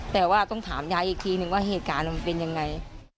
แต่ว่าต้องถามยายอีกทีนึงว่าเหตุการณ์มันเป็นยังไง